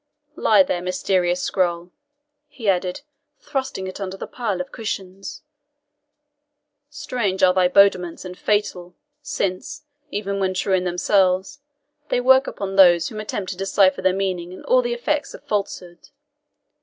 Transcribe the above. Lie there, mysterious scroll," he added, thrusting it under the pile of cushions; "strange are thy bodements and fatal, since, even when true in themselves, they work upon those who attempt to decipher their meaning all the effects of falsehood.